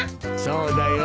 そうだよ。